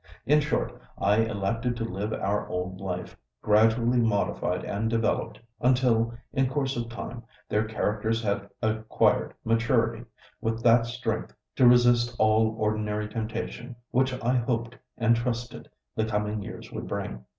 In short, I elected to live our old life, gradually modified and developed, until, in course of time, their characters had acquired maturity, with that strength to resist all ordinary temptation which I hoped and trusted the coming years would bring.